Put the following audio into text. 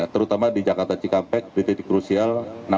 terutama di jakarta cikampek di titik krusial enam puluh enam